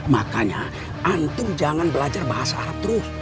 makanya antum jangan belajar bahasa arab terus